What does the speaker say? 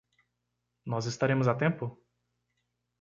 Nós estaremos a tempo?